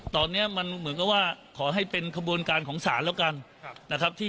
ตอนนี้มันเหมือนกับว่าขอให้เป็นขบวนการของศาลแล้วกันนะครับ